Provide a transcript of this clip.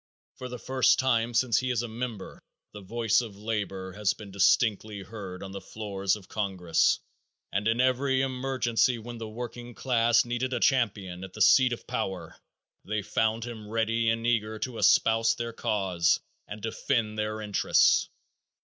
For the first time since he is a member the voice of labor has been distinctly heard on the floors of congress, and in every emergency when the working class needed a champion at the seat of power, they found him ready and eager to espouse their cause and defend their interests.